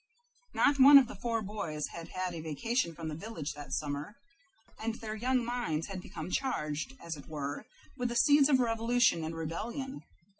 Not one of the four boys had had a vacation from the village that summer, and their young minds had become charged, as it were, with the seeds of revolution and rebellion.